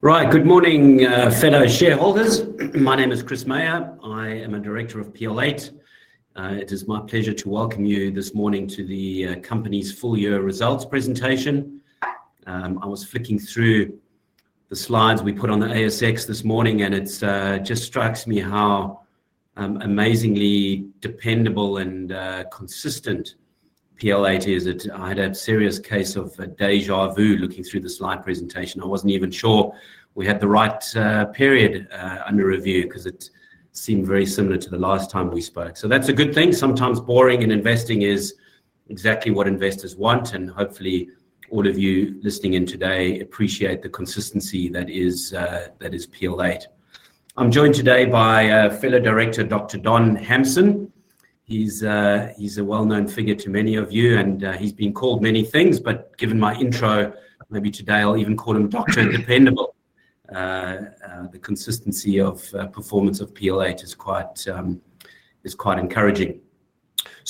Right, good morning, fellow shareholders. My name is Chris Meyer. I am a Director of PL8. It is my pleasure to welcome you this morning to the company's full-year results presentation. I was flicking through the slides we put on the ASX this morning, and it just strikes me how amazingly dependable and consistent PL8 is. I had a serious case of déjà vu looking through the slide presentation. I wasn't even sure we had the right period under review because it seemed very similar to the last time we spoke. That's a good thing. Sometimes boring in investing is exactly what investors want, and hopefully all of you listening in today appreciate the consistency that is PL8. I'm joined today by fellow Director, Dr. Don Hamson. He's a well-known figure to many of you, and he's been called many things, but given my intro, maybe today I'll even call him Dr. Dependable. The consistency of performance of PL8 is quite encouraging.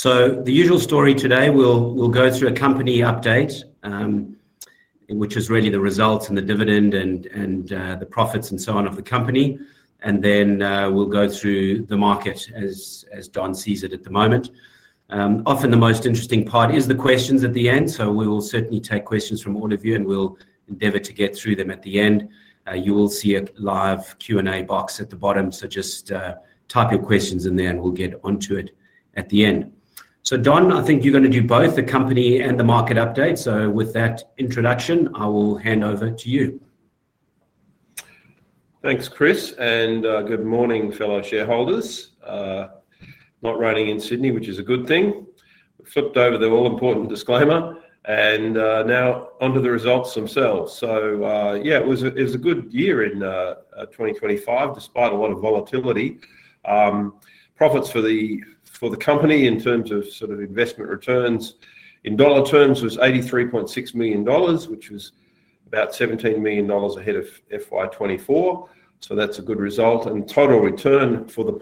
The usual story today, we'll go through a company update, which is really the results and the dividend and the profits and so on of the company. Then we'll go through the market as Don sees it at the moment. Often the most interesting part is the questions at the end. We will certainly take questions from all of you, and we'll endeavor to get through them at the end. You will see a live Q&A box at the bottom, so just type your questions in there, and we'll get onto it at the end. Don, I think you're going to do both the company and the market update. With that introduction, I will hand over to you. Thanks, Chris, and good morning, fellow shareholders. Not raining in Sydney, which is a good thing. Flipped over the all-important disclaimer, and now onto the results themselves. It was a good year in 2025 despite a lot of volatility. Profits for the company in terms of investment returns in dollar terms was 83.6 million dollars, which was about 17 million dollars ahead of FY 2024. That's a good result. Total return for the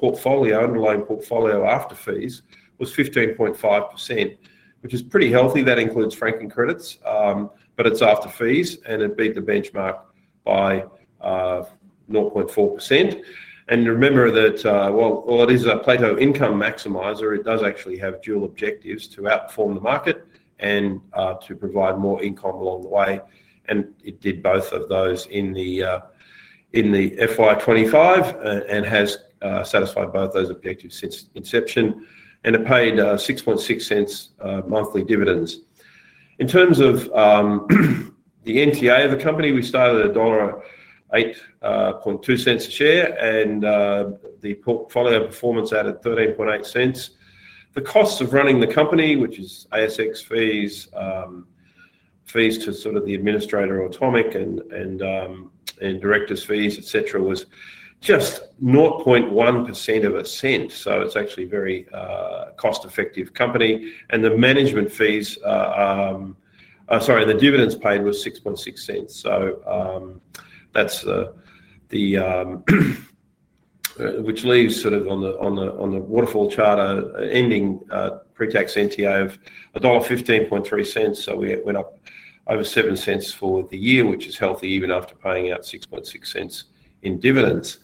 underlying portfolio after fees was 15.5%, which is pretty healthy. That includes franking credits, but it's after fees, and it beat the benchmark by 0.4%. Remember that, while it is a Plato Income Maximiser, it does actually have dual objectives to outperform the market and to provide more income along the way. It did both of those in FY 2025 and has satisfied both those objectives since inception. It paid 0.066 monthly dividends. In terms of the NTA of the company, we started at [dollar 1.082] per share, and the portfolio performance added [0.138]. The costs of running the company, which is ASX fees, fees to the administrator or atomic, and directors fees, etc., was just 0.001. It's actually a very cost-effective company. The management fees, sorry, and the dividends paid was 0.066. That's the, which leaves on the waterfall chart ending pre-tax NTA of dollar 1.153. We went up over 0.07 for the year, which is healthy even after paying out 0.066 in dividends.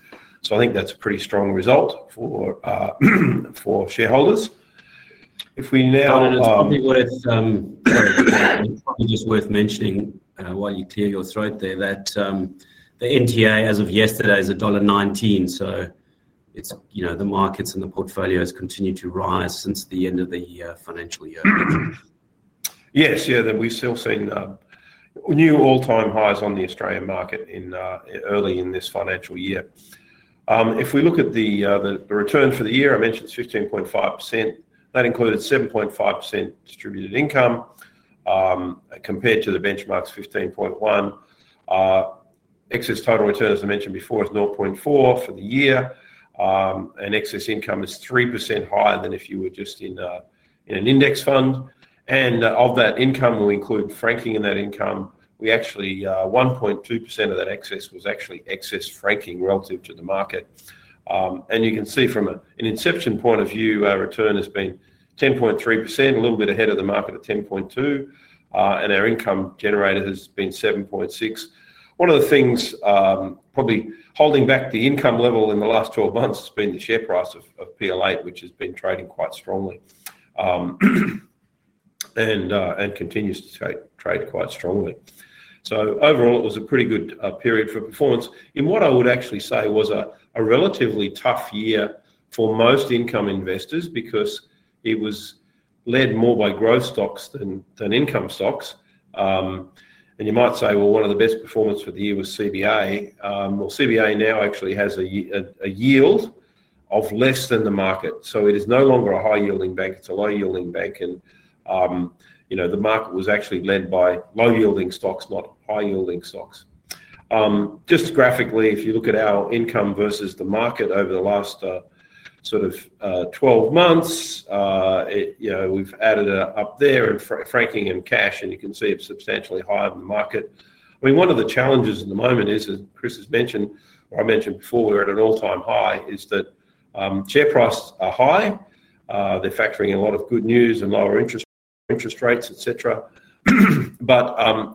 I think that's a pretty strong result for shareholders. I think it's worth mentioning, while you clear your throat there, that the NTA as of yesterday is dollar 1.19. The markets and the portfolios continue to rise since the end of the financial year. Yes, yeah, that we've still seen new all-time highs on the Australian market early in this financial year. If we look at the return for the year, I mentioned it's 15.5%. That included 7.5% distributed income, compared to the benchmark's 15.1%. Excess total return, as I mentioned before, is 0.4% for the year, and excess income is 3% higher than if you were just in an index fund. Of that income, we'll include franking in that income. We actually, 1.2% of that excess was actually excess franking relative to the market. You can see from an inception point of view, our return has been 10.3%, a little bit ahead of the market at 10.2%, and our income generated has been 7.6%. One of the things probably holding back the income level in the last 12 months has been the share price of PL8, which has been trading quite strongly and continues to trade quite strongly. Overall, it was a pretty good period for performance. What I would actually say was a relatively tough year for most income investors because it was led more by growth stocks than income stocks. You might say one of the best performers for the year was CBA. CBA now actually has a yield of less than the market. It is no longer a high-yielding bank. It's a low-yielding bank. The market was actually led by low-yielding stocks, not high-yielding stocks. Just graphically, if you look at our income versus the market over the last 12 months, we've added up there in franking and cash, and you can see it's substantially higher than the market. One of the challenges at the moment is, as Chris has mentioned or I mentioned before, we're at an all-time high, is that share prices are high. They're factoring in a lot of good news and lower interest rates, et cetera.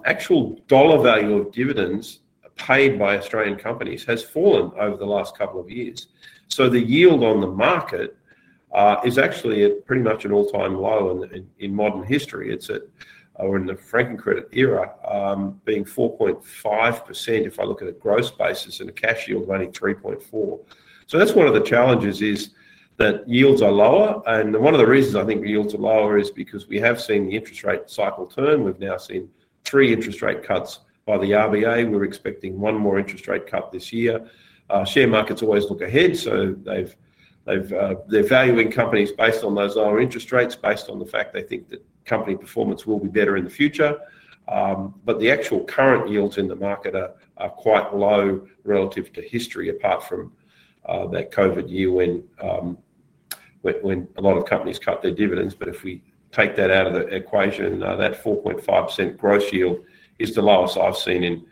Actual dollar value of dividends paid by Australian companies has fallen over the last couple of years. The yield on the market is actually pretty much an all-time low in modern history. It's at, or in the franking credit era, being 4.5% if I look at a growth basis and a cash yield of only 3.4%. That's one of the challenges, is that yields are lower. One of the reasons I think yields are lower is because we have seen the interest rate cycle turn. We've now seen three interest rate cuts by the RBA. We're expecting one more interest rate cut this year. Share markets always look ahead. They are valuing companies based on those lower interest rates, based on the fact they think that company performance will be better in the future. The actual current yields in the market are quite low relative to history, apart from that COVID year when a lot of companies cut their dividends. If we take that out of the equation, that 4.5% gross yield is the lowest I've seen in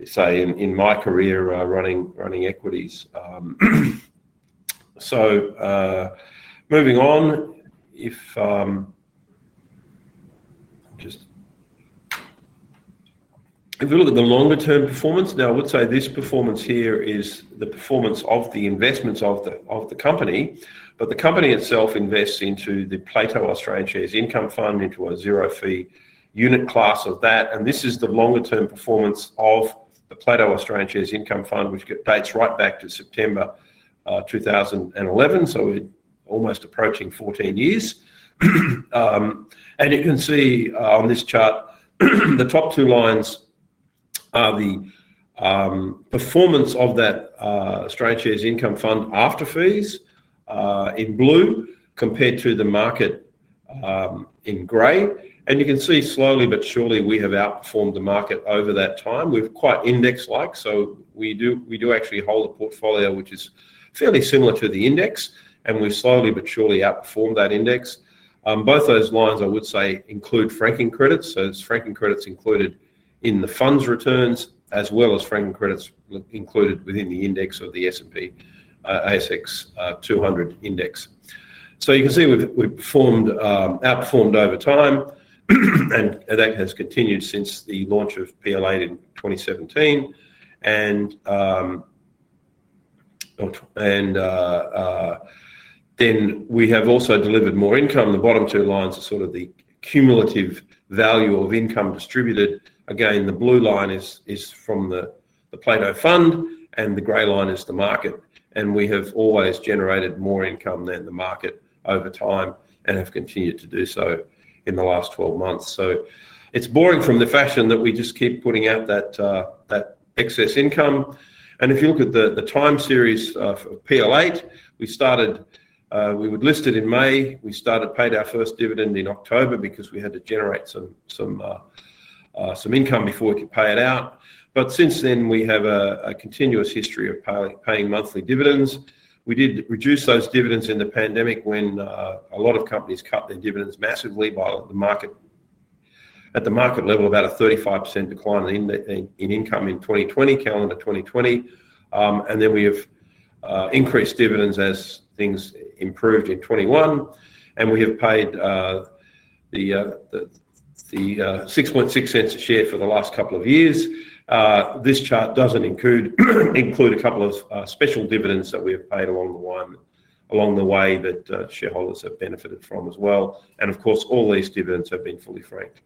my career running equities. Moving on, if you look at the longer-term performance, I would say this performance here is the performance of the investments of the company, but the company itself invests into the Plato Australian Shares Income Fund into a zero-fee unit class of that. This is the longer-term performance of the Plato Australian Shares Income Fund, which dates right back to September 2011. We are almost approaching 14 years. You can see on this chart, the top two lines are the performance of that Australian Shares Income Fund after fees, in blue, compared to the market, in gray. You can see slowly but surely we have outperformed the market over that time. We are quite index-like, so we do actually hold a portfolio which is fairly similar to the index, and we've slowly but surely outperformed that index. Both those lines, I would say, include franking credits. So it's franking credits included in the fund's returns as well as franking credits included within the index of the S&P/ASX 200 Index. You can see we've outperformed over time, and that has continued since the launch of PL8 in 2017. We have also delivered more income. The bottom two lines are the cumulative value of income distributed. Again, the blue line is from the Plato Fund, and the gray line is the market. We have always generated more income than the market over time and have continued to do so in the last 12 months. It is boring from the fashion that we just keep putting out that excess income. If you look at the time series for PL8, we listed in May. We paid our first dividend in October because we had to generate some income before we could pay it out. Since then, we have a continuous history of paying monthly dividends. We did reduce those dividends in the pandemic when a lot of companies cut their dividends massively by the market. At the market level, about a 35% decline in income in 2020, calendar 2020. Then we have increased dividends as things improved in 2021. We have paid 0.066 a share for the last couple of years. This chart doesn't include a couple of special dividends that we have paid along the way that shareholders have benefited from as well. Of course, all these dividends have been fully franked.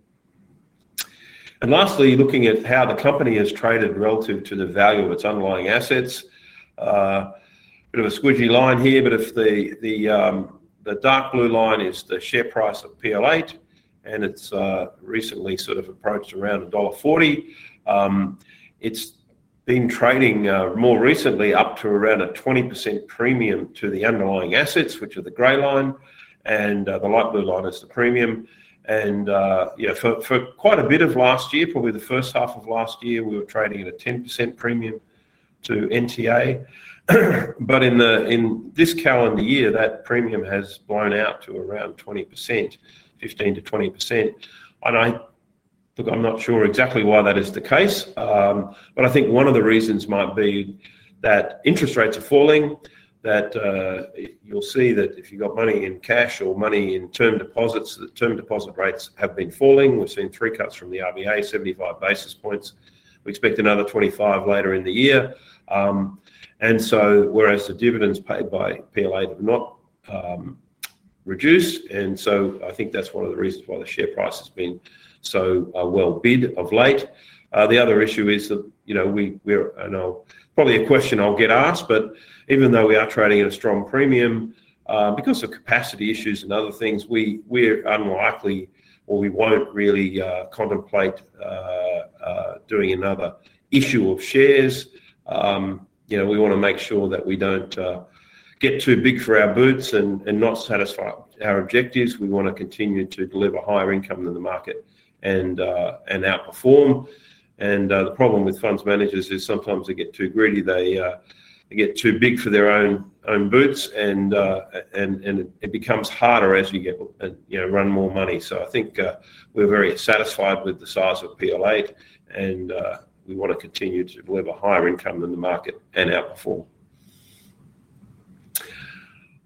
Lastly, looking at how the company has traded relative to the value of its underlying assets, a bit of a squidgy line here, but the dark blue line is the share price of PL8, and it's recently sort of approached around dollar 1.40. It's been trading more recently up to around a 20% premium to the underlying assets, which are the gray line, and the light blue line is the premium. For quite a bit of last year, probably the first half of last year, we were trading at a 10% premium to NTA. In this calendar year, that premium has blown out to around 20%, 15%-20%. I'm not sure exactly why that is the case. I think one of the reasons might be that interest rates are falling. You'll see that if you've got money in cash or money in term deposits, the term deposit rates have been falling. We've seen three cuts from the RBA, 75 basis points. We expect another 25 later in the year. Whereas the dividends paid by PL8 have not reduced. I think that's one of the reasons why the share price has been so well bid of late. The other issue is that, you know, and I'll probably get asked this question, but even though we are trading at a strong premium, because of capacity issues and other things, we're unlikely, or we won't really contemplate doing another issue of shares. We want to make sure that we don't get too big for our boots and not satisfy our objectives. We want to continue to deliver higher income than the market and outperform. The problem with fund managers is sometimes they get too greedy. They get too big for their own boots, and it becomes harder as you run more money. I think we're very satisfied with the size of PL8, and we want to continue to deliver higher income than the market and outperform.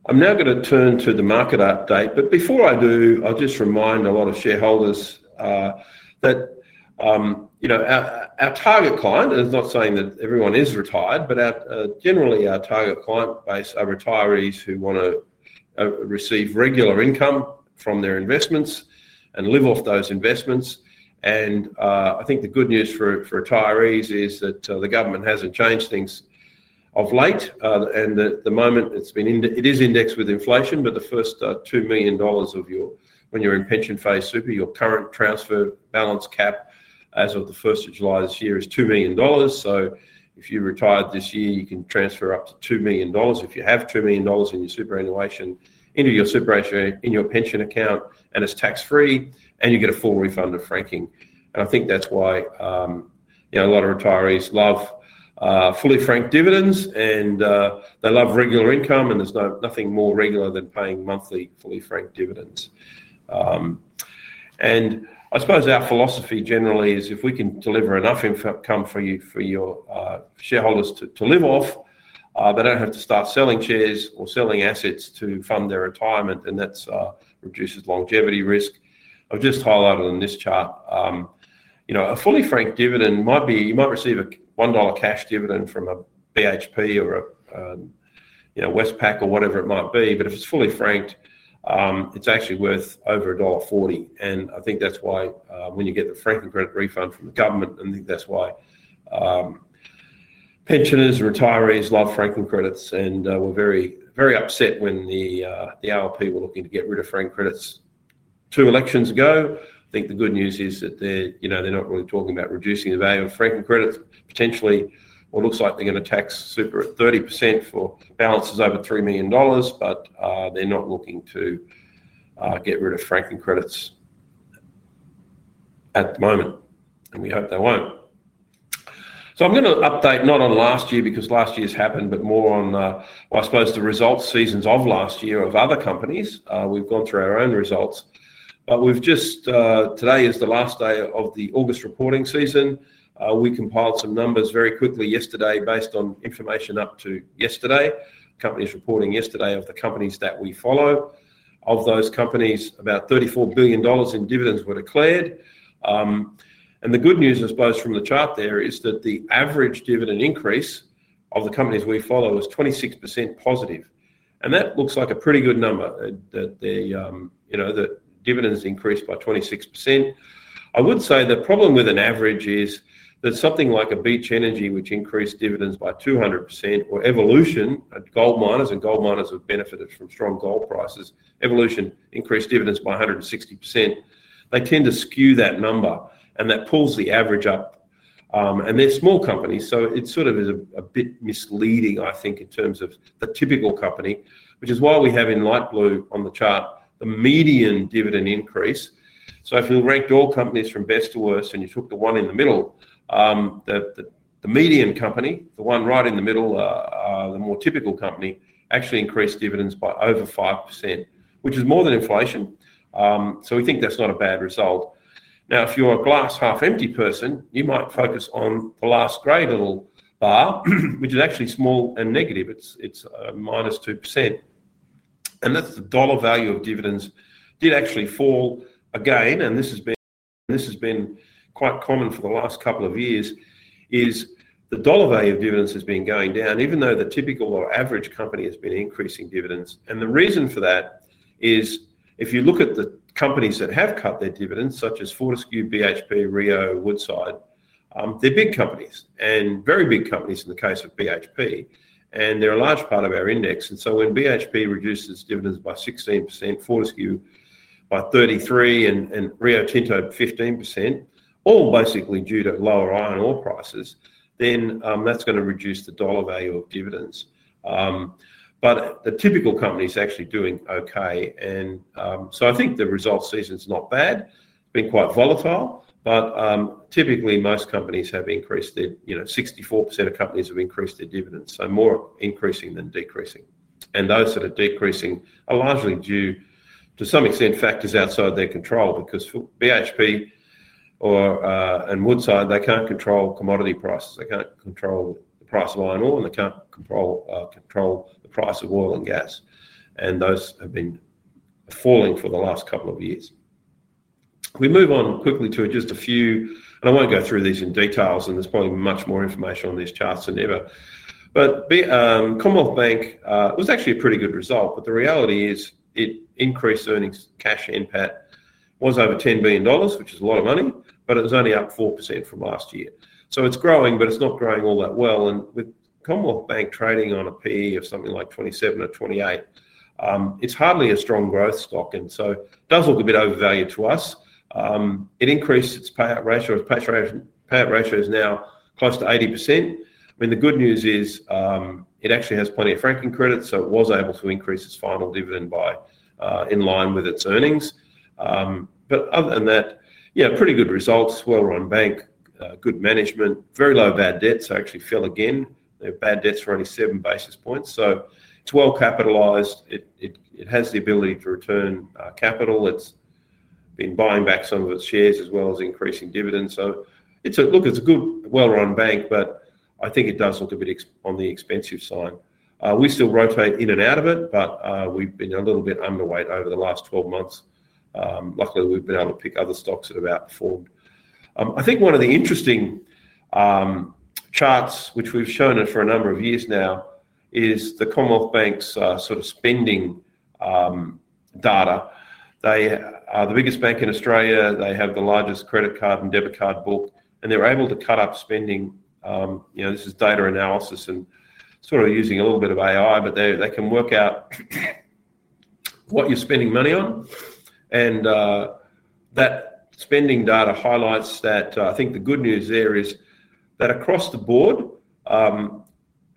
I'm now going to turn to the market update. Before I do, I'll just remind a lot of shareholders that our target client, and it's not saying that everyone is retired, but generally our target client base are retirees who want to receive regular income from their investments and live off those investments. I think the good news for retirees is that the government hasn't changed things of late. At the moment, it is indexed with inflation, but the first 2 million dollars of your, when you're in pension phase super, your current transfer balance cap as of 1st of July this year is 2 million dollars. If you've retired this year, you can transfer up to 2 million dollars if you have 2 million dollars in your superannuation into your superannuation in your pension account, and it's tax-free, and you get a full refund of franking. I think that's why a lot of retirees love fully franked dividends, and they love regular income, and there's nothing more regular than paying monthly fully franked dividends. I suppose our philosophy generally is if we can deliver enough income for you, for your shareholders to live off, they don't have to start selling shares or selling assets to fund their retirement, and that reduces longevity risk. I've just highlighted on this chart, you know, a fully franked dividend might be, you might receive a 1 dollar cash dividend from a BHP or a, you know, Westpac or whatever it might be, but if it's fully franked, it's actually worth over dollar 1.40. I think that's why, when you get the franking credit refund from the government, I think that's why pensioners, retirees love franking credits, and were very, very upset when the ALP were looking to get rid of franking credits two elections ago. I think the good news is that they're not really talking about reducing the value of franking credits. Potentially, it looks like they're going to tax super at 30% for balances over 3 million dollars, but they're not looking to get rid of franking credits at the moment, and we hope they won't. I'm going to update not on last year because last year's happened, but more on, I suppose, the results seasons of last year of other companies. We've gone through our own results, but we've just, today is the last day of the August reporting season. We compiled some numbers very quickly yesterday based on information up to yesterday. Companies reporting yesterday of the companies that we follow. Of those companies, about 34 billion dollars in dividends were declared. The good news, I suppose, from the chart there is that the average dividend increase of the companies we follow is 26% positive. That looks like a pretty good number that they, you know, that dividends increased by 26%. I would say the problem with an average is that something like a Beach Energy, which increased dividends by 200%, or Evolution, a gold miner, and gold miners have benefited from strong gold prices. Evolution increased dividends by 160%. They tend to skew that number, and that pulls the average up. They're small companies, so it sort of is a bit misleading, I think, in terms of a typical company, which is why we have in light blue on the chart the median dividend increase. If you ranked all companies from best to worst, and you took the one in the middle, the median company, the one right in the middle, the more typical company, actually increased dividends by over 5%, which is more than inflation. We think that's not a bad result. If you're a glass half empty person, you might focus on the last grey little bar, which is actually small and negative. It's -2%. That's the dollar value of dividends did actually fall again, and this has been quite common for the last couple of years, as the dollar value of dividends has been going down, even though the typical or average company has been increasing dividends. The reason for that is if you look at the companies that have cut their dividends, such as Fortescue, BHP, Rio, Woodside, they're big companies and very big companies in the case of BHP, and they're a large part of our index. When BHP reduces dividends by 16%, Fortescue by 33%, and Rio Tinto 15%, all basically due to lower iron ore prices, that's going to reduce the dollar value of dividends. The typical company is actually doing okay. I think the results season is not bad. It's been quite volatile, but typically most companies have increased their, you know, 64% of companies have increased their dividends, so more increasing than decreasing. Those that are decreasing are largely due to some extent factors outside their control because BHP or, and Woodside, they can't control commodity prices. They can't control the price of iron ore, and they can't control the price of oil and gas. Those have been falling for the last couple of years. We move on quickly to just a few, and I won't go through these in detail, and there's probably much more information on these charts than ever. Commonwealth Bank was actually a pretty good result, but the reality is it increased earnings. Cash impact was over 10 billion dollars, which is a lot of money, but it was only up 4% from last year. It's growing, but it's not growing all that well. With Commonwealth Bank trading on a PE of something like 27 or 28, it's hardly a strong growth stock, and it does look a bit overvalued to us. It increased its payout ratio. Its payout ratio is now close to 80%. The good news is, it actually has plenty of franking credits, so it was able to increase its final dividend in line with its earnings. Other than that, pretty good results, well-run bank, good management, very low bad debts. Bad debts actually fell again. Their bad debts were only seven basis points. It's well capitalized. It has the ability to return capital. It's been buying back some of its shares as well as increasing dividends. It's a good, well-run bank, but I think it does look a bit on the expensive side. We still rotate in and out of it, but we've been a little bit underweight over the last 12 months. Luckily, we've been able to pick other stocks at about four. I think one of the interesting charts, which we've shown for a number of years now, is the Commonwealth Bank's sort of spending data. They are the biggest bank in Australia. They have the largest credit card and debit card book, and they're able to cut up spending. This is data analysis and sort of using a little bit of AI, but they can work out what you're spending money on. That spending data highlights that the good news there is that across the board,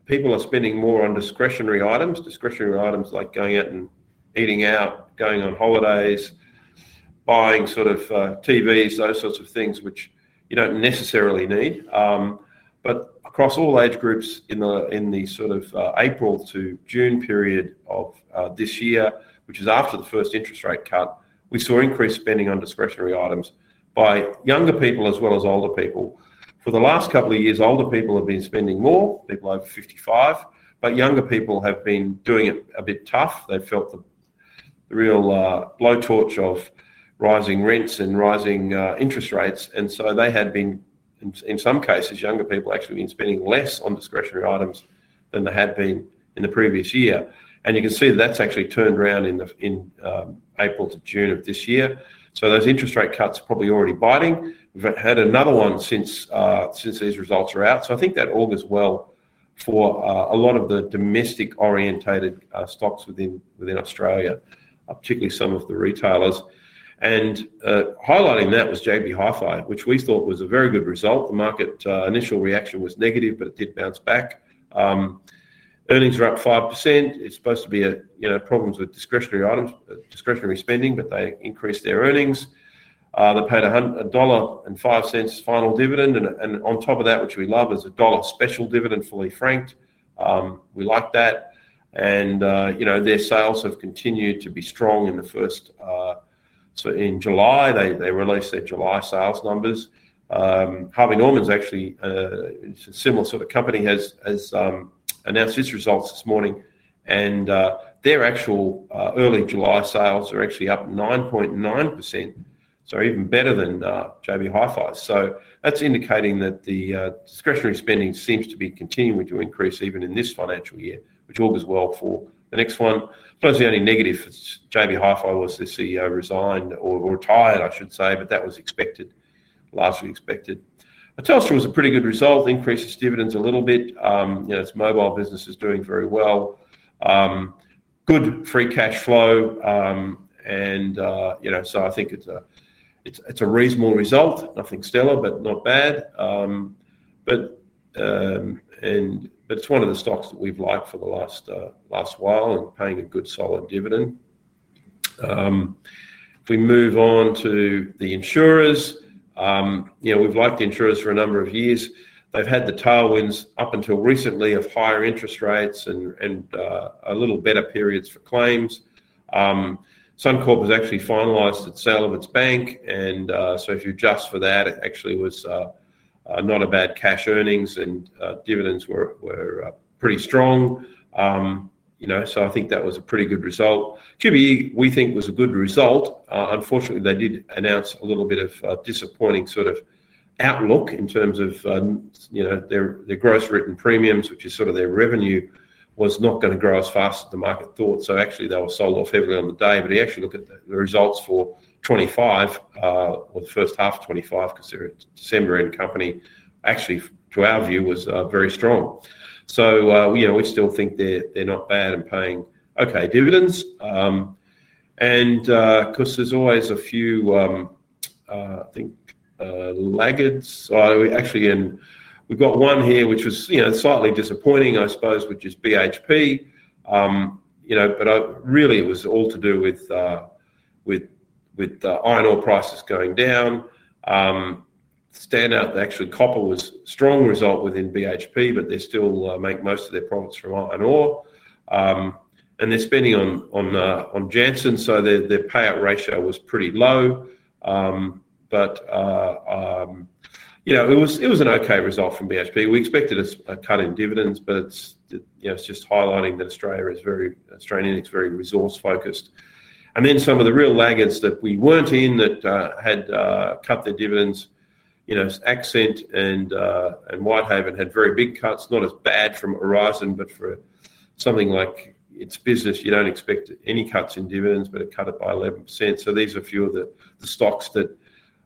people are spending more on discretionary items, discretionary items like going out and eating out, going on holidays, buying TVs, those sorts of things, which you don't necessarily need. Across all age groups in the April to June period of this year, which is after the first interest rate cut, we saw increased spending on discretionary items by younger people as well as older people. For the last couple of years, older people have been spending more, people over 55 years old, but younger people have been doing it a bit tough. They felt the real blowtorch of rising rents and rising interest rates. They had been, in some cases, younger people actually been spending less on discretionary items than they had been in the previous year. You can see that that's actually turned around in April to June of this year. Those interest rate cuts are probably already biting. We've had another one since these results are out. I think that augurs well for a lot of the domestic-orientated stocks within Australia, particularly some of the retailers. Highlighting that was JB Hi-Fi, which we thought was a very good result. The market initial reaction was negative, but it did bounce back. Earnings are up 5%. It's supposed to be, you know, problems with discretionary items, discretionary spending, but they increased their earnings. They paid AUD 1.05 as final dividend. On top of that, which we love, is a AUD 1 special dividend fully franked. We like that. Their sales have continued to be strong in the first, so in July, they released their July sales numbers. Harvey Norman's actually, it's a similar sort of company, has announced its results this morning. Their actual early July sales are actually up 9.9%, so even better than JB Hi-Fi. That's indicating that the discretionary spending seems to be continuing to increase even in this financial year, which augurs well for the next one. I suppose the only negative for JB Hi-Fi was the CEO resigned or retired, I should say, but that was expected, largely expected. Telstra was a pretty good result, increased its dividends a little bit. You know, its mobile business is doing very well. Good free cash flow. I think it's a reasonable result. Nothing stellar, but not bad. It's one of the stocks that we've liked for the last while and paying a good solid dividend. If we move on to the insurers, we've liked the insurers for a number of years. They've had the tailwinds up until recently of higher interest rates and a little better periods for claims. Suncorp has actually finalized its sale of its bank. If you adjust for that, it actually was not a bad cash earnings and dividends were pretty strong. I think that was a pretty good result. QBE, we think was a good result. Unfortunately, they did announce a little bit of a disappointing sort of outlook in terms of, you know, their gross written premiums, which is sort of their revenue, was not going to grow as fast as the market thought. They were sold off heavily on the day. If you actually look at the results for 2025, or the first half of 2025 because they're a December-end company, actually, to our view, was very strong. We still think they're not bad and paying okay dividends. Of course, there's always a few, I think, laggards. We actually, and we've got one here, which was, you know, slightly disappointing, I suppose, which is BHP. It was all to do with the iron ore prices going down. Stand out, actually, copper was a strong result within BHP, but they still make most of their profits from iron ore. They're spending on Jansen, so their payout ratio was pretty low. It was an okay result from BHP. We expected a cut in dividends, but it's just highlighting that Australia is very, Australia is very resource-focused. Some of the real laggards that we weren't in that had cut their dividends, you know, Accent and Whitehaven had very big cuts, not as bad from Horizon, but for something like its business, you don't expect any cuts in dividends, but it cut it by 11%. These are a few of the stocks that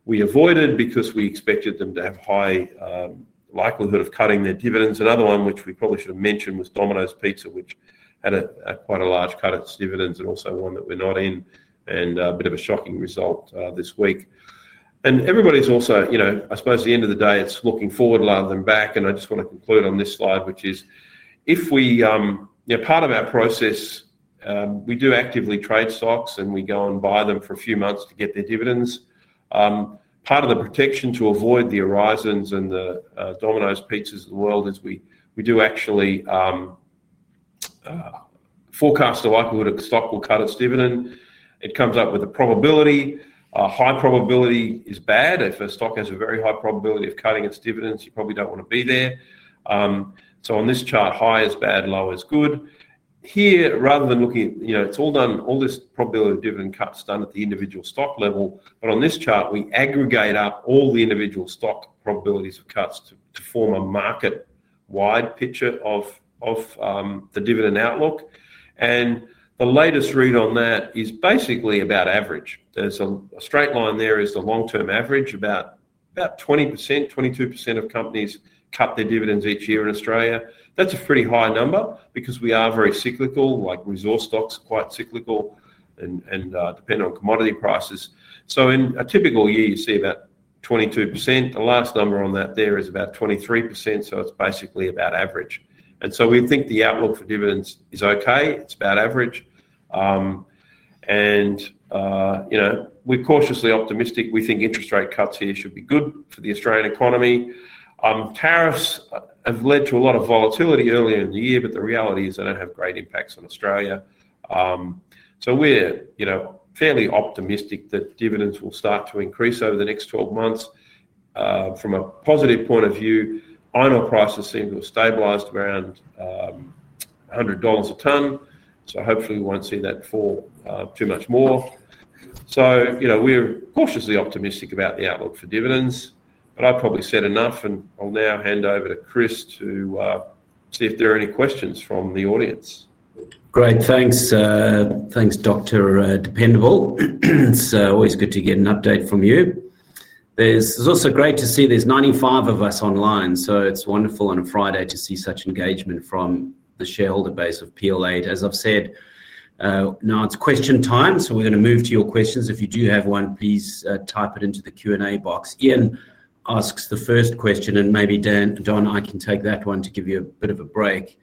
we avoided because we expected them to have high likelihood of cutting their dividends. Another one which we probably should have mentioned was Domino's Pizza, which had quite a large cut at its dividends and also one that we're not in, and a bit of a shocking result this week. Everybody's also, you know, I suppose at the end of the day, it's looking forward rather than back. I just want to conclude on this slide, which is if we, you know, part of our process, we do actively trade stocks and we go and buy them for a few months to get their dividends. Part of the protection to avoid the Horizons and the Domino's Pizzas of the world is we do actually forecast the likelihood a stock will cut its dividend. It comes up with a probability. A high probability is bad. If a stock has a very high probability of cutting its dividends, you probably don't want to be there. On this chart, high is bad, low is good. Here, rather than looking, you know, it's all done, all this probability of dividend cuts done at the individual stock level, but on this chart, we aggregate up all the individual stock probabilities for cuts to form a market-wide picture of the dividend outlook. The latest read on that is basically about average. There's a straight line there, is the long-term average, about 20%, 22% of companies cut their dividends each year in Australia. That's a pretty high number because we are very cyclical, like resource stocks are quite cyclical and depend on commodity prices. In a typical year, you see about 22%. The last number on that there is about 23%. It's basically about average. We think the outlook for dividends is okay. It's about average, and, you know, we're cautiously optimistic. We think interest rate cuts here should be good for the Australian economy. Tariffs have led to a lot of volatility earlier in the year, but the reality is they don't have great impacts on Australia. We're, you know, fairly optimistic that dividends will start to increase over the next 12 months. From a positive point of view, iron ore prices seem to have stabilized around 100 dollars a ton. Hopefully, we won't see that fall too much more. We're cautiously optimistic about the outlook for dividends, but I've probably said enough, and I'll now hand over to Chris to see if there are any questions from the audience. Great. Thanks. Thanks, Dr. Dependable. It's always good to get an update from you. It's also great to see there's 95 of us online. It's wonderful on a Friday to see such engagement from the shareholder base of PL8. As I've said, now it's question time. We're going to move to your questions. If you do have one, please type it into the Q&A box. Ian asks the first question, and maybe Don, I can take that one to give you a bit of a break.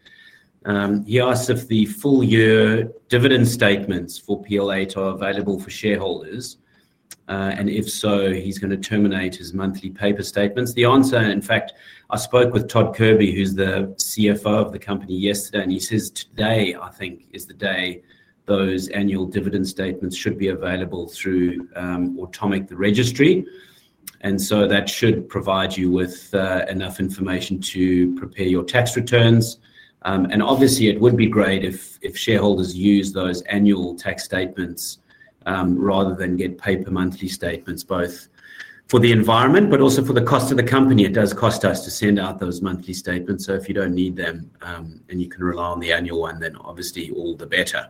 He asks if the full-year dividend statements for PL8 are available for shareholders, and if so, he's going to terminate his monthly paper statements. The answer, in fact, I spoke with Todd Kirby, who's the CFO of the company yesterday, and he says today, I think, is the day those annual dividend statements should be available through Automic, the registry. That should provide you with enough information to prepare your tax returns. Obviously, it would be great if shareholders use those annual tax statements rather than get paper monthly statements, both for the environment but also for the cost of the company. It does cost us to send out those monthly statements. If you don't need them, and you can rely on the annual one, then obviously all the better.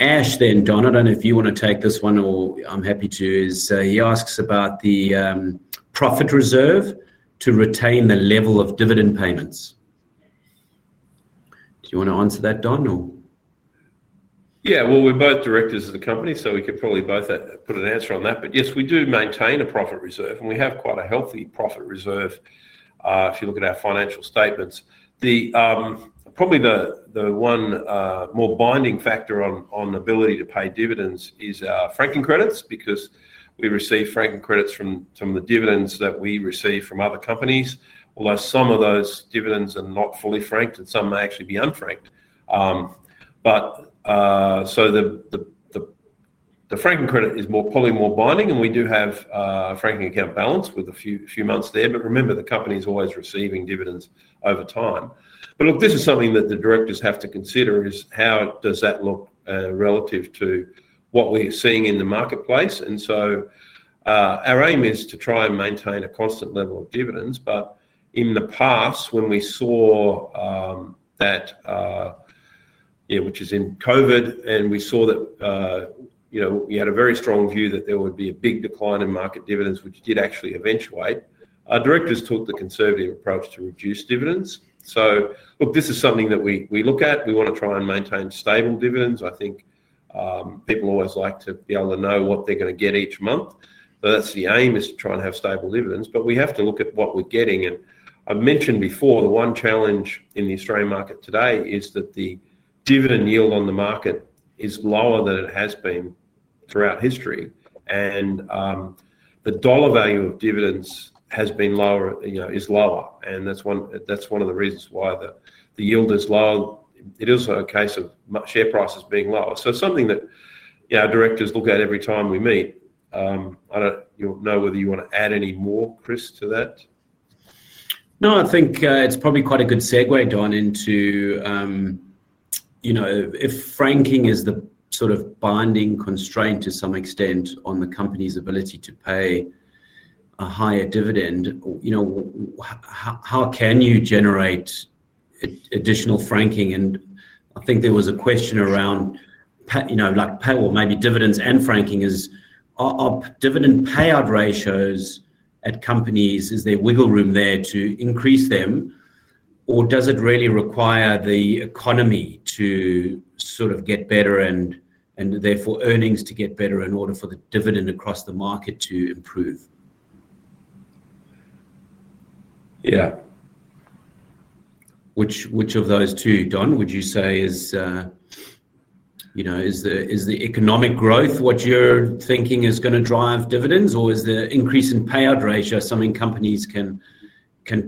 Ash, then Don, I don't know if you want to take this one or I'm happy to. He asks about the profit reserve to retain the level of dividend payments. Do you want to answer that, Don, or? Yeah, we're both directors of the company, so we could probably both put an answer on that. Yes, we do maintain a profit reserve, and we have quite a healthy profit reserve if you look at our financial statements. Probably the one more binding factor on the ability to pay dividends is our franking credits because we receive franking credits from some of the dividends that we receive from other companies, although some of those dividends are not fully franked and some may actually be unfranked. The franking credit is probably more binding, and we do have a franking account balance with a few months there. Remember, the company is always receiving dividends over time. This is something that the directors have to consider, how does that look relative to what we're seeing in the marketplace. Our aim is to try and maintain a constant level of dividends. In the past, when we saw, during COVID, we had a very strong view that there would be a big decline in market dividends, which did actually eventuate, our directors took the conservative approach to reduce dividends. This is something that we look at. We want to try and maintain stable dividends. I think people always like to be able to know what they're going to get each month. The aim is to try and have stable dividends. We have to look at what we're getting. I mentioned before the one challenge in the Australian market today is that the dividend yield on the market is lower than it has been throughout history. The dollar value of dividends is lower, and that's one of the reasons why the yield is low. It is a case of share prices being lower. It's something that our directors look at every time we meet. I don't know whether you want to add any more, Chris, to that. No, I think it's probably quite a good segue, Don, into, you know, if franking is the sort of binding constraint to some extent on the company's ability to pay a higher dividend, you know, how can you generate additional franking? I think there was a question around, you know, like paywall, maybe dividends and franking is our dividend payout ratios at companies. Is there wiggle room there to increase them, or does it really require the economy to sort of get better and therefore earnings to get better in order for the dividend across the market to improve? Yeah. Which of those two, Don, would you say is, you know, is the economic growth what you're thinking is going to drive dividends, or is the increase in payout ratio something companies can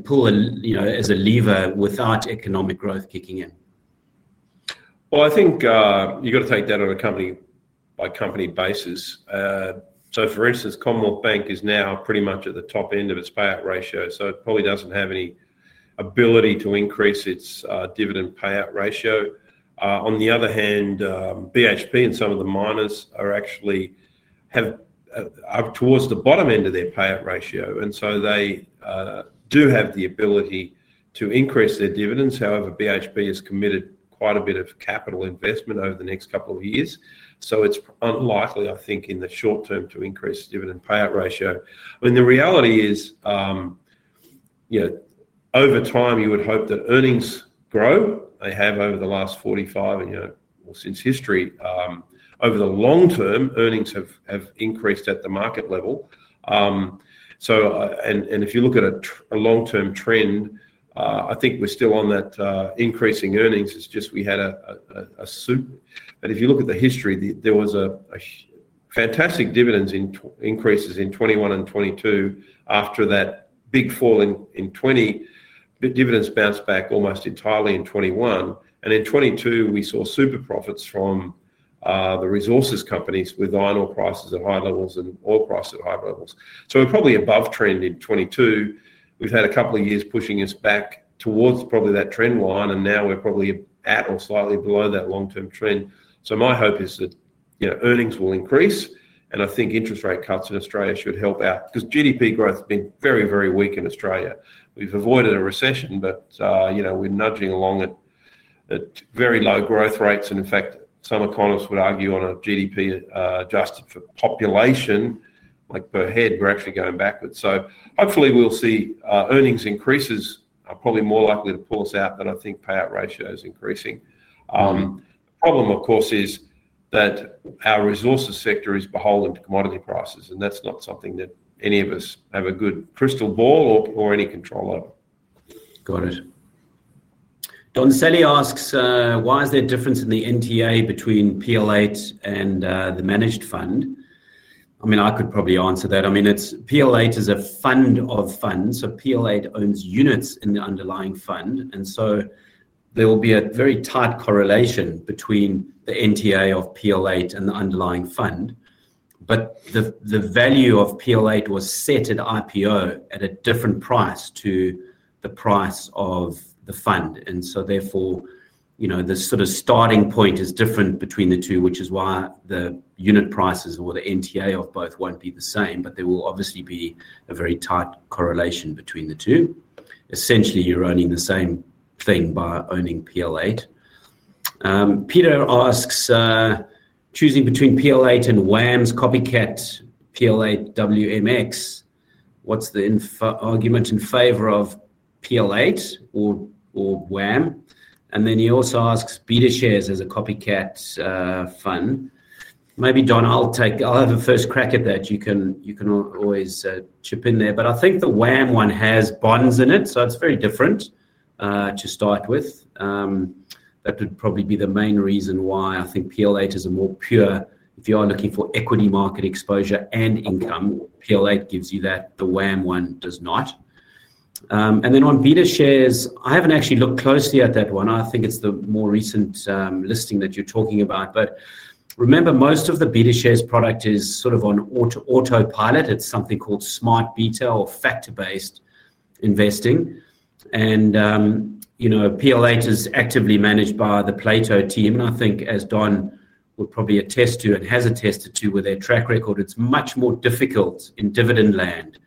pull in, you know, as a lever without economic growth kicking in? I think you've got to take that on a company-by-company basis. For instance, Commonwealth Bank is now pretty much at the top end of its payout ratio, so it probably doesn't have any ability to increase its dividend payout ratio. On the other hand, BHP and some of the miners are actually up towards the bottom end of their payout ratio, and so they do have the ability to increase their dividends. However, BHP has committed quite a bit of capital investment over the next couple of years, so it's unlikely, I think, in the short term to increase the dividend payout ratio. The reality is, you know, over time you would hope that earnings grow. They have over the last 45 and, you know, or since history. Over the long term, earnings have increased at the market level, and if you look at a long-term trend, I think we're still on that increasing earnings. It's just we had a soup. If you look at the history, there were fantastic dividend increases in 2021 and 2022. After that big fall in 2020, the dividends bounced back almost entirely in 2021, and in 2022, we saw super profits from the resources companies with iron ore prices at high levels and oil prices at high levels. We're probably above trend in 2022. We've had a couple of years pushing us back towards probably that trend line, and now we're probably at or slightly below that long-term trend. My hope is that earnings will increase, and I think interest rate cuts in Australia should help out because GDP growth has been very, very weak in Australia. We've avoided a recession, but we're nudging along at very low growth rates. In fact, some economists would argue on a GDP adjusted for population, like per head, we're actually going backwards. Hopefully, we'll see earnings increases are probably more likely to pull us out than payout ratios increasing. The problem, of course, is that our resources sector is beholden to commodity prices, and that's not something that any of us have a good crystal ball or any control over. Got it. Don, Sally asks, why is there a difference in the NTA between PL8 and the managed fund? I mean, I could probably answer that. I mean, PL8 is a fund of funds. PL8 owns units in the underlying fund, so there will be a very tight correlation between the NTA of PL8 and the underlying fund. The value of PL8 was set at IPO at a different price to the price of the fund, so the sort of starting point is different between the two, which is why the unit prices or the NTA of both won't be the same, but there will obviously be a very tight correlation between the two. Essentially, you're owning the same thing by owning PL8. Peter asks, choosing between PL8 and WAM's copycat PL8 WMX, what's the argument in favor of PL8 or WAM? He also asks, Betashares as a copycat fund. Maybe, Don, I'll take, I'll have a first crack at that. You can always chip in there. I think the WAM one has bonds in it, so it's very different to start with. That could probably be the main reason why I think PL8 is more pure. If you are looking for equity market exposure and income, PL8 gives you that. The WAM one does not. On Betashares, I haven't actually looked closely at that one. I think it's the more recent listing that you're talking about. Remember, most of the Betashares product is sort of on autopilot. It's something called smart beta or factor-based investing. PL8 is actively managed by the Plato team. I think, as Don would probably attest to and has attested to with their track record, it's much more difficult in dividend land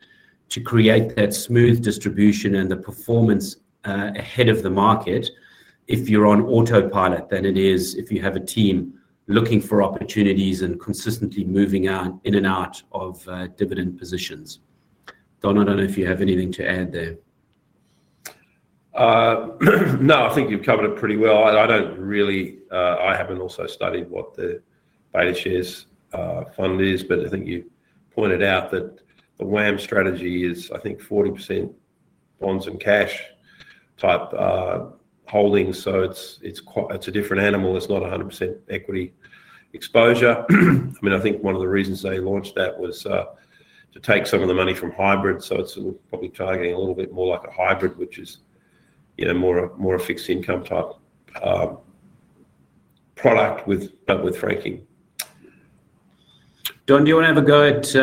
to create that smooth distribution and the performance ahead of the market if you're on autopilot than it is if you have a team looking for opportunities and consistently moving in and out of dividend positions. Don, I don't know if you have anything to add there. No, I think you've covered it pretty well. I don't really, I haven't also studied what the Betashares fund is, but I think you pointed out that the WAM strategy is, I think, 40% bonds and cash type holdings. It's quite, it's a different animal. It's not 100% equity exposure. I think one of the reasons they launched that was to take some of the money from hybrid. It's probably targeting a little bit more like a hybrid, which is more a fixed income type product but with franking. Don, do you want to have a go at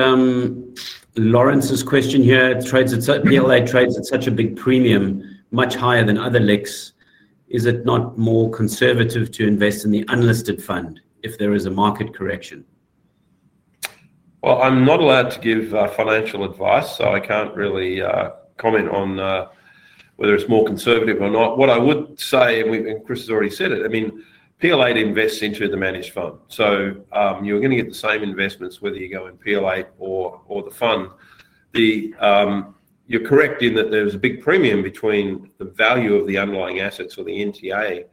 Lawrence's question here? PL8 trades at such a big premium, much higher than other LICs. Is it not more conservative to invest in the unlisted fund if there is a market correction? I'm not allowed to give financial advice, so I can't really comment on whether it's more conservative or not. What I would say, and Chris has already said it, PL8 invests into the managed fund. You're going to get the same investments whether you go in PL8 or the fund. You're correct in that there's a big premium between the value of the underlying assets or the NTA.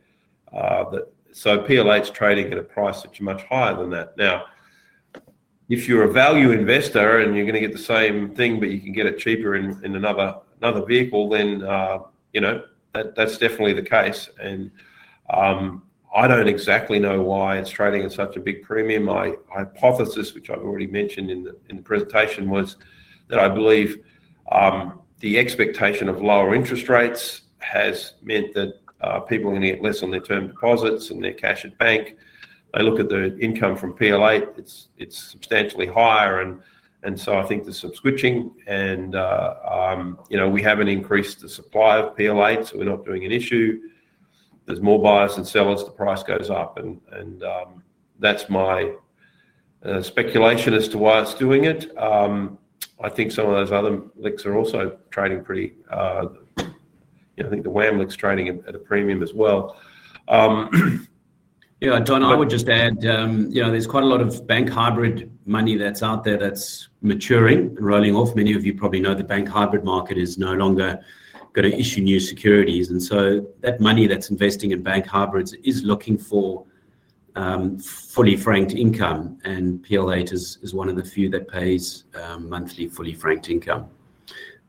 PL8's trading at a price that's much higher than that. If you're a value investor and you're going to get the same thing, but you can get it cheaper in another vehicle, then that's definitely the case. I don't exactly know why it's trading at such a big premium. My hypothesis, which I've already mentioned in the presentation, was that I believe the expectation of lower interest rates has meant that people are going to get less on their term deposits and their cash at bank. I look at the income from PL8. It's substantially higher. I think there's some switching. We haven't increased the supply of PL8, so we're not doing an issue. There's more buyers than sellers. The price goes up. That's my speculation as to why it's doing it. I think some of those other LICs are also trading pretty, you know, I think the WAM LICs trading at a premium as well. Yeah, Don, I would just add, you know, there's quite a lot of bank hybrid money that's out there that's maturing and rolling off. Many of you probably know the bank hybrid market is no longer going to issue new securities. That money that's investing in bank hybrids is looking for fully franked income, and PL8 is one of the few that pays monthly fully franked income.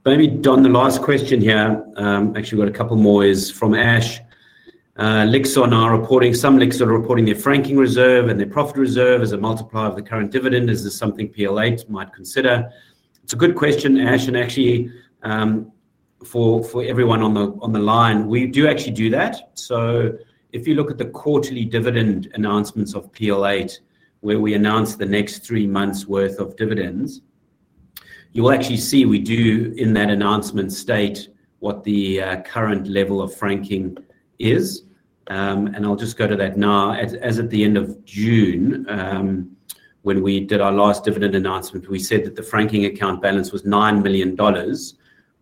Maybe, Don, the last question here, actually we've got a couple more, is from Ash. LICs on our reporting, some LICs are reporting their franking reserve and their profit reserve as a multiplier of the current dividend. Is this something PL8 might consider? It's a good question, Ash. Actually, for everyone on the line, we do actually do that. If you look at the quarterly dividend announcements of PL8, where we announce the next three months' worth of dividends, you'll actually see we do in that announcement state what the current level of franking is. I'll just go to that now. As at the end of June, when we did our last dividend announcement, we said that the franking account balance was 9 million dollars,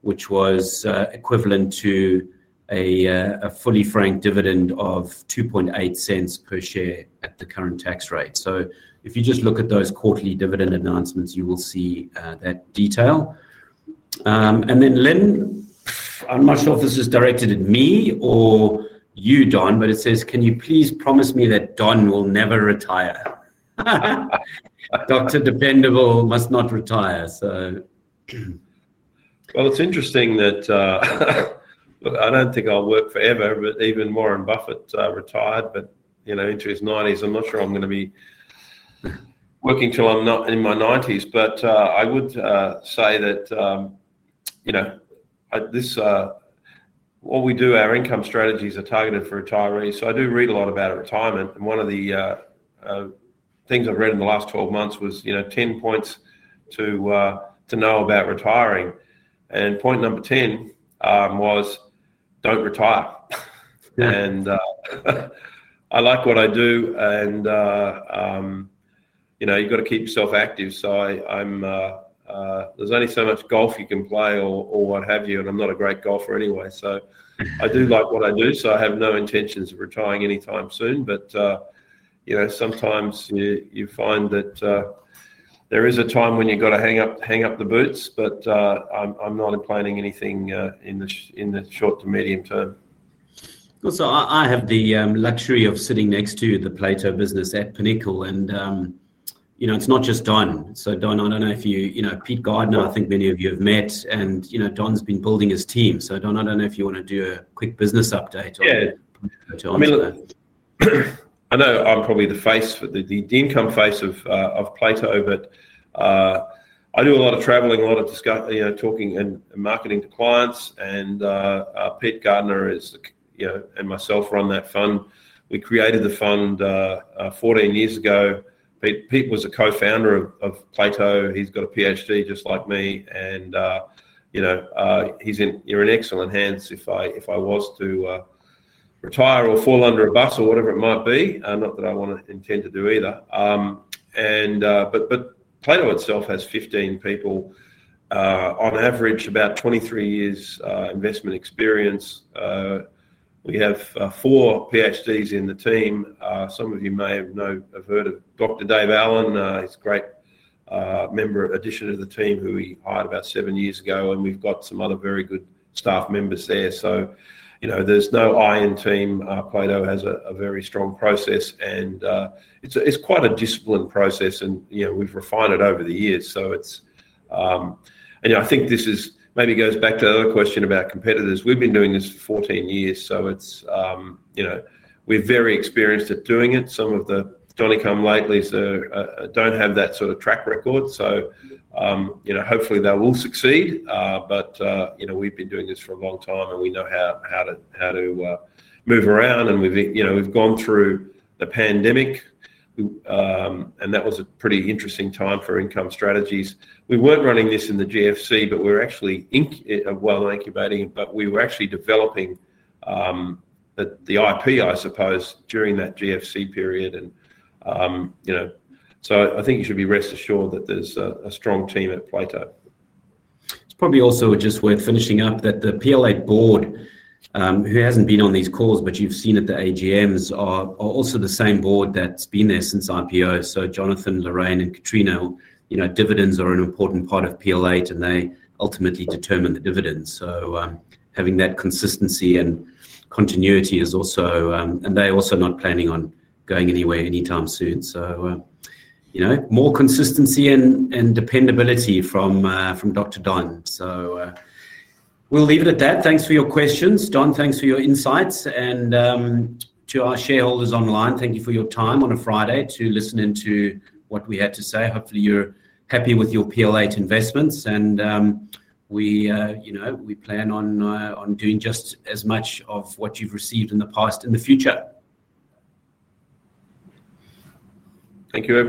which was equivalent to a fully franked dividend of 0.028 per share at the current tax rate. If you just look at those quarterly dividend announcements, you will see that detail. Then Lynn, I'm not sure if this is directed at me or you, Don, but it says, can you please promise me that Don will never retire? Dr. Dependable must not retire. I don't think I'll work forever, but even Warren Buffett retired. Into his 90s, I'm not sure I'm going to be working till I'm in my 90s. I would say that what we do, our income strategies are targeted for retirees. I do read a lot about retirement. One of the things I've read in the last 12 months was 10 points to know about retiring. Point number 10 was don't retire. I like what I do, and you've got to keep yourself active. There's only so much golf you can play or what have you, and I'm not a great golfer anyway. I do like what I do, so I have no intentions of retiring anytime soon. Sometimes you find that there is a time when you've got to hang up the boots. I'm not planning anything in the short to medium term. I have the luxury of sitting next to the Plato business at Pinnacle. You know, it's not just Don. Don, I don't know if you, you know, Pete Gardner, I think many of you have met. Don's been building his team. Don, I don't know if you want to do a quick business update or. Yeah. I mean, I know I'm probably the face, the income face of Plato. I do a lot of traveling, a lot of discussion, you know, talking and marketing to clients. Pete Gardner is, you know, and myself run that fund. We created the fund, 14 years ago. Pete was a co-founder of Plato. He's got a PhD just like me. You're in excellent hands if I was to retire or fall under a bus or whatever it might be, not that I intend to do either. Plato itself has 15 people, on average, about 23 years investment experience. We have four PhDs in the team. Some of you may have heard of Dr. Dave Allen. He's a great member, addition to the team who we hired about seven years ago. We've got some other very good staff members there. There's no I in team. Plato has a very strong process. It's quite a disciplined process. We've refined it over the years. I think this maybe goes back to the other question about competitors. We've been doing this for 14 years. We're very experienced at doing it. Some of the don't come lately don't have that sort of track record. Hopefully they will succeed, but we've been doing this for a long time. We know how to move around. We've gone through the pandemic. That was a pretty interesting time for income strategies. We weren't running this in the GFC, but we were actually developing the IP, I suppose, during that GFC period. I think you should be rest assured that there's a strong team at Plato. It's probably also just worth finishing up that the PL8 board, who hasn't been on these calls, but you've seen at the AGMs, are also the same board that's been there since IPO. Jonathan, Lorraine, and Katrina, you know, dividends are an important part of PL8, and they ultimately determine the dividends. Having that consistency and continuity is also, and they're also not planning on going anywhere anytime soon. More consistency and dependability from Dr. Don. We'll leave it at that. Thanks for your questions, Don. Thanks for your insights. To our shareholders online, thank you for your time on a Friday to listen into what we had to say. Hopefully, you're happy with your PL8 investments. We plan on doing just as much of what you've received in the past in the future. Thank you very much.